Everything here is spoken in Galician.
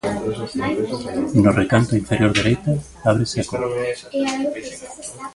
No recanto inferior dereita ábrese a cor.